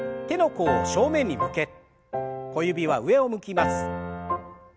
手の甲を正面に向け小指は上を向きます。